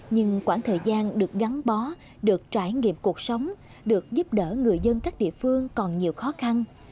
nhưng quãng thời gian được gắn bó được trải nghiệm cuộc sống được giúp đỡ người dân các địa phương còn nhiều khó khăn